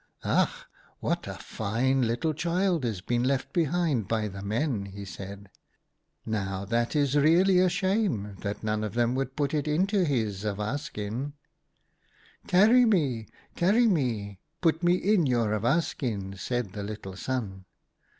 "' Ach, what a fine little child has been left behind by the men !' he said. ' Now that is really a shame — that none of them would put it into his awa skin.' "' Carry me, carry me ! Put me in your awa skin,' said the little Sun.